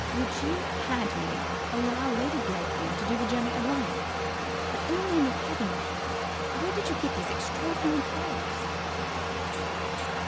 ... Would you have had me allow Lady Blakeney to do the journey alone? But, in the name of heaven, man, where did you get these extraordinary clothes?"